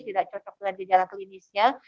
tidak terkecil dengan jadwal klinisnya